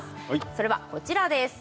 それはこちらです